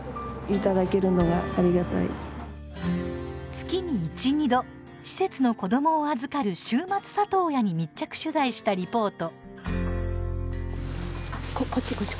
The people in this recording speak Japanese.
月に１、２度施設の子どもを預かる週末里親に密着取材したリポート。